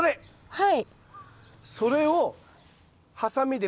はい。